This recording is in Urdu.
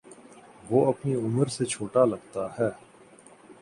وہ اپنی عمر سے چھوٹا لگتا ہے